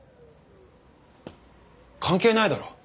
関係ないだろ。